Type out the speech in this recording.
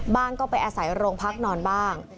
ก็ไปอาศัยโรงพักนอนบ้าง